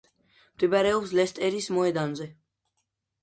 მდებარეობს ლესტერის მოედანზე.